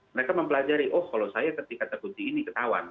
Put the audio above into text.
mereka mempelajari oh kalau saya ketika terkunci ini ketahuan